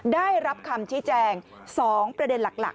ได้รับคำชี้แจง๒ประเด็นหลัก